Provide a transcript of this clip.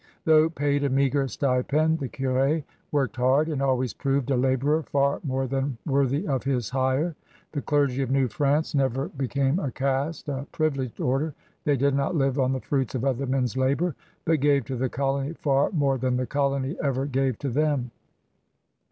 Though paid a meager stipend, the curS worked hard and always proved a laborer far more than worthy of his hire. The clergy of New France never became a caste, a privil^ed order; they did not live on the fruits of other men's labor, but gave to the colony far more than the colony ever gave to them.